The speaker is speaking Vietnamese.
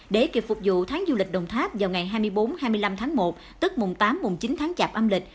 để kịp phục vụ tháng du lịch đồng tháp vào ngày hai mươi bốn hai mươi năm tháng một tức mùng tám mùng chín tháng chạp âm lịch